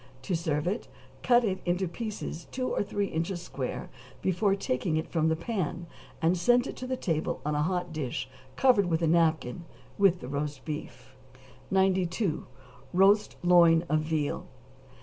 To serve it cut it into pieces two or three inches square before taking it from the pan, and send it to the table on a hot dish covered with a napkin, with the roast beef. 92. =Roast Loin of Veal.